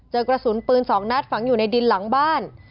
กระสุนปืน๒นัดฝังอยู่ในดินหลังบ้าน